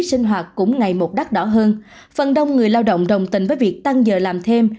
sinh hoạt cũng ngày một đắt đỏ hơn phần đông người lao động đồng tình với việc tăng giờ làm thêm